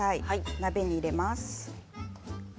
鍋に入れます。